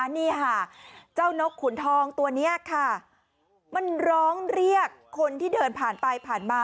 นี่ค่ะเจ้านกขุนทองตัวนี้ค่ะมันร้องเรียกคนที่เดินผ่านไปผ่านมา